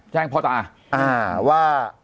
แจ้งพ่อตา